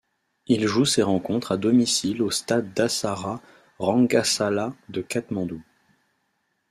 Il joue ses rencontres à domicile au Stade Dasarath Rangasala de Katmandou.